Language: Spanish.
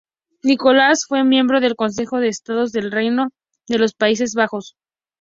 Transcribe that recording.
Nicolás fue miembro del Consejo de Estado del Reino de los Países Bajos.